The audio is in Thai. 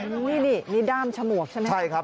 นี่มีด้ามชมวกใช่ไหมครับ